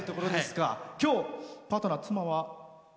今日、パートナー妻は？